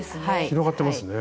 広がってますね。